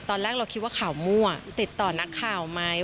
ตอนแรกเราคิดว่าข่าวมั่วติดต่อนักข่าวไหม